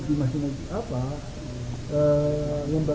nah apa yang baru terdapat di perpu alasan apa